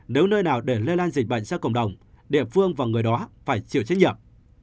nếu nơi nào để lây lan dịch bệnh ra cộng đồng địa phương và người đó phải chịu trách nhiệm